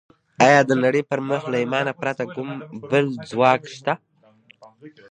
ایا د نړۍ پر مخ له ایمانه پرته کوم بل ځواک شته